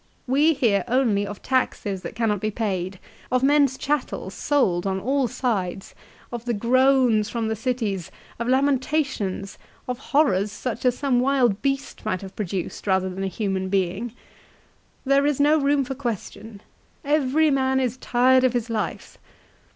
1 " We hear only of taxes that cannot be paid, of men's chattels sold on all sides, of the groans from the cities, of lamentations, of horrors such as some wild beast might have produced rather than a human being. There is no room for question. Every man is tired of his life.